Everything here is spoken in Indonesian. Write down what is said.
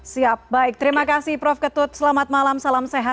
siap baik terima kasih prof ketut selamat malam salam sehat